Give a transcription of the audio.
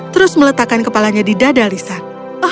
terus meletakkan kepalanya di dada lisan